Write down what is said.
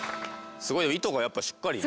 すごいよ糸がやっぱりしっかりね。